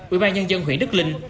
ủy ban nhân dân huyện đức linh